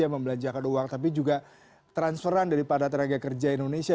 yang membelanjakan uang tapi juga transferan daripada tenaga kerja indonesia